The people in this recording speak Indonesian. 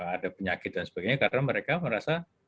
ada penyakit dan sebagainya karena mereka merasa